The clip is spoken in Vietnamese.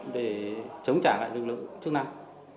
để chống trả lại lực lượng chức năng